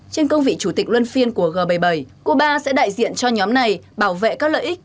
trên cương vị chủ tịch luân phiên của g bảy mươi bảy cuba sẽ đại diện cho nhóm này bảo vệ các lợi ích